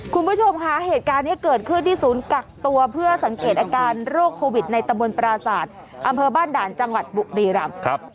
คุณผู้ชมค่ะเหตุการณ์นี้เกิดขึ้นที่ศูนย์กักตัวเพื่อสังเกตอาการโรคโควิดในตะบนปราศาสตร์อำเภอบ้านด่านจังหวัดบุรีรำ